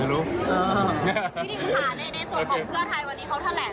จริงค่ะในส่วนของเพื่อไทยวันนี้เขาแถลง